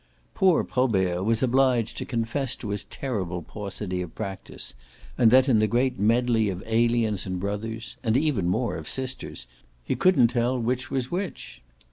Poor Probert was obliged to confess to his terrible paucity of practice, and that in the great medley of aliens and brothers and even more of sisters he couldn't tell which was which.